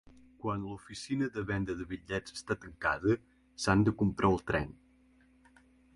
Quan l'oficina de venda de bitllets està tancada, s'han de comprar al tren.